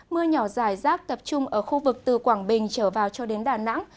mưa nhỏ dài rác tập trung ở khu vực từ quảng bình trở vào cho đến đà nẵng